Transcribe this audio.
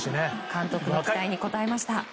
監督の期待に応えました。